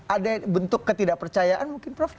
ada bentuk ketidakpercayaan mungkin prof